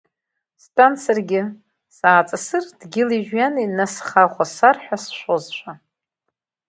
Стәан саргьы, сааҵысыр дгьыли-жәҩани насхаӷәасар ҳәа сшәозшәа.